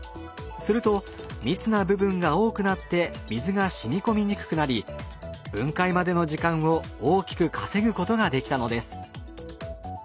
すると密な部分が多くなって水がしみこみにくくなり分解までの時間を大きく稼ぐことができたのです。